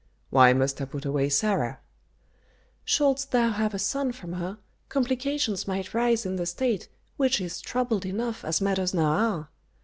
"Why must I put away Sarah?" "Shouldst thou have a son from her, complications might rise in the State, which is troubled enough as matters now are.